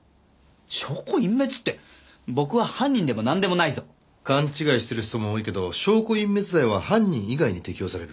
証拠隠滅って僕は犯人でもなんでもないぞ。勘違いしてる人も多いけど証拠隠滅罪は犯人以外に適用される。